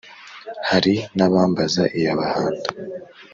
Hari n ' abambaza iya Bahanda ;